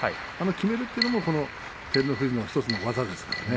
きめるというのも照ノ富士の１つの技です。